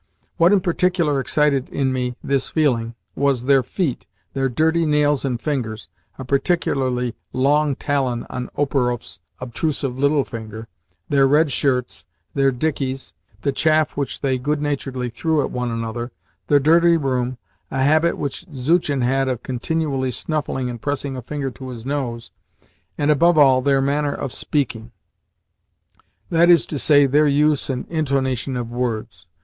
What in particular excited in me this feeling was their feet, their dirty nails and fingers, a particularly long talon on Operoff's obtrusive little finger, their red shirts, their dickeys, the chaff which they good naturedly threw at one another, the dirty room, a habit which Zuchin had of continually snuffling and pressing a finger to his nose, and, above all, their manner of speaking that is to say, their use and intonation of words.